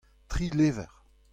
tri levr.